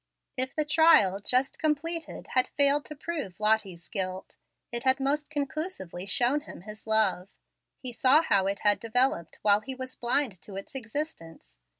If the trial, just completed, had failed to prove Lottie's guilt, it had most conclusively shown him his love. He saw how it had developed while he was blind to its existence.